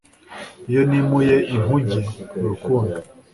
iyo nimuye inkuge, urukundo